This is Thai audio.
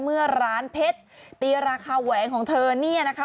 เมื่อร้านเพชรตีราคาแหวงของเธอเนี่ยนะคะ